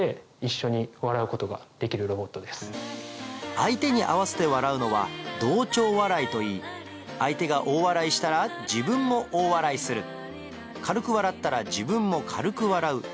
相手に合わせて笑うのは「同調笑い」といい相手が大笑いしたら自分も大笑いする軽く笑ったら自分も軽く笑うというように